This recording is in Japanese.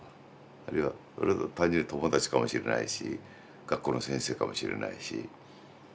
あるいは俺の単純に友達かもしれないし学校の先生かもしれないし。